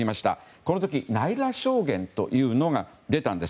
この時ナイラ証言が出たんです。